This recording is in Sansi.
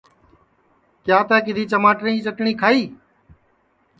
کیا تیں کِدؔھی چماٹریں کی چٹٹؔی کھائی ہے